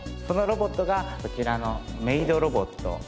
そのロボットがこちらのメイドロボット